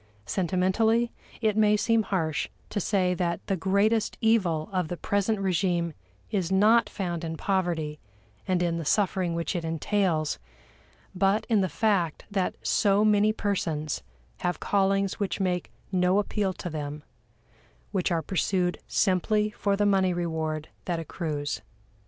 Sentimentally, it may seem harsh to say that the greatest evil of the present regime is not found in poverty and in the suffering which it entails, but in the fact that so many persons have callings which make no appeal to them, which are pursued simply for the money reward that accrues.